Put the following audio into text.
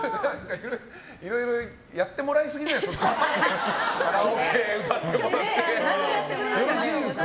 いろいろやってもらいすぎじゃないですか。